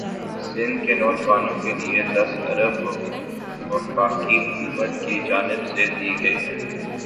سندھ کے نواجوانوں کے لئے دس ارب وفاقی حکومت کی جانب سے دئے گئے ہیں